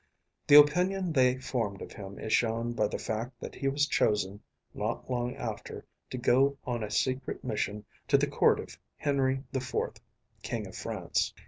The opinion they formed of him is shown by the fact that he was chosen not long after to go on a secret mission to the court of Henry IV, King of France.